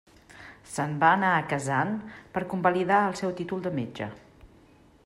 Se'n va anar a Kazan per convalidar el seu títol de metge.